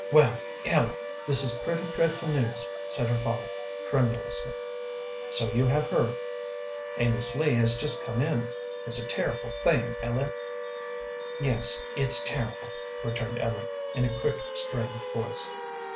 "Well, Ellen, this is pretty dreadful news," said her father, tremulously. "So you have heard?" "Amos Lee has just come in. It's a terrible thing, Ellen." "Yes, it's terrible," returned Ellen, in a quick, strained voice.